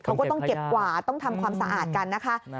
เขาก็ต้องเก็บกวาดต้องทำความสะอาดกันนะคะ